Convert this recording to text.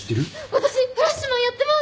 私『フラッシュマン』やってます。